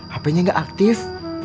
hp nya gak aktif